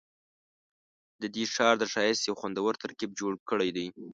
ددې ښار د ښایست یو خوندور ترکیب جوړ کړی دی.